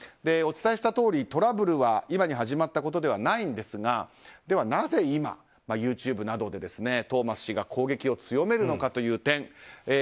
お伝えしたとおり、トラブルは今に始まったことではないんですがなぜ今、ＹｏｕＴｕｂｅなどでトーマス氏が攻撃を強めるのかという点。